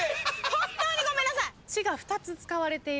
本当にごめんなさい。